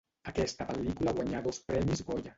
Aquesta pel·lícula guanyà dos Premis Goya.